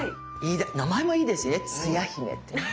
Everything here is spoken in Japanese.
名前もいいですしねつや姫ってね。